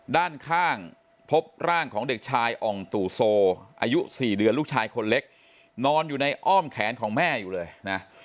ด้านข้างพบร่างของเด็กชายอ่องตู่โซอายุ๔เดือนลูกชายคนเล็กนอนอยู่ในอ้อมแขนของแม่อยู่เลยนะ